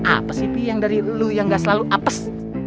apes itu yang dari lu yang gak selalu apes